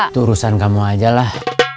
itu urusan kamu aja lah